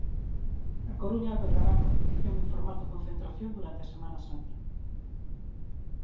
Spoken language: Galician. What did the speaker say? A Coruña albergará a competición en formato concentración durante a Semana Santa.